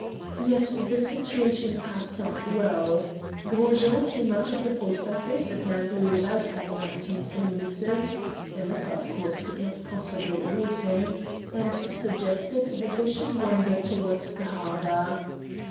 Yet the situation passed off well. Gros Jean came out of the post office, apparently without having obtained any missives a letter, of course, could not possibly await him and suggested that they should wander towards the harbour.